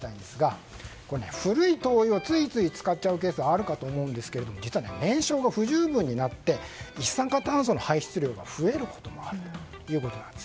古い灯油をついつい使っちゃうケースがあるかと思うんですけれども実は燃焼が不十分になって一酸化炭素の排出量が増えることもあるということです。